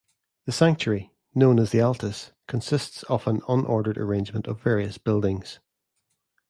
The sanctuary, known as the Altis, consists of an unordered arrangement of various buildings.